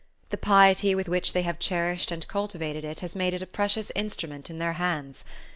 The piety with which they have cherished and cultivated it has made it a precious instrument in their hands.